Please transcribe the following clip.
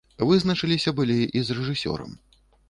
Вызначыліся былі і з рэжысёрам.